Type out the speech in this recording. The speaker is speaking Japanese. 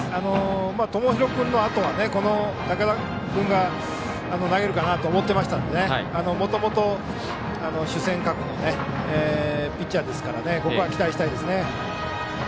友廣君のあとは竹田君が投げるかなと思ってましたのでもともと主戦格のピッチャーですから期待したいです。